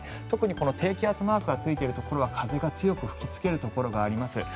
特にこの低気圧マークがついているところは風が強く吹きつけるところがあります。